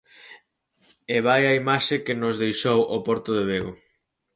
E vaia imaxe que nos deixou o porto de Vigo.